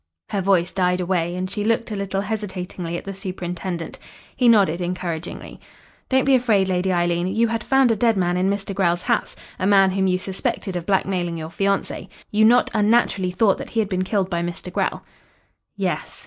Her voice died away and she looked a little hesitatingly at the superintendent. He nodded encouragingly. "Don't be afraid, Lady Eileen. You had found a dead man in Mr. Grell's house a man whom you suspected of blackmailing your fiancé. You not unnaturally thought that he had been killed by Mr. Grell." "Yes."